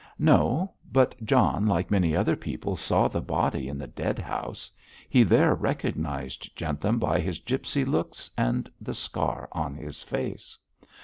'No, but John, like many other people, saw the body in the dead house. He there recognised Jentham by his gipsy looks and the scar on his face.